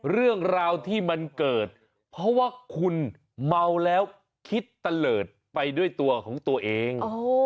เรื่องราวที่มันเกิดเพราะว่าคุณเมาแล้วคิดตะเลิศไปด้วยตัวของตัวเอง